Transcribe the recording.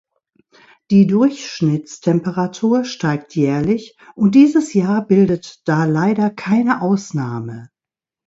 Die Durchschnittstemperatur steigt jährlich, und dieses Jahr bildet da leider keine Ausnahme.